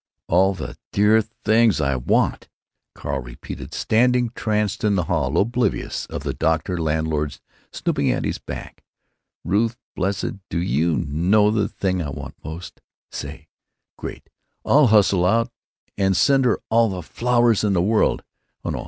"'——all the dear things I want'!" Carl repeated, standing tranced in the hall, oblivious of the doctor landlord snooping at the back. "Ruth blessed, do you know the thing I want most?... Say! Great! I'll hustle out and send her all the flowers in the world.